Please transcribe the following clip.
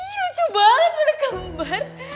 lucu banget pada kembar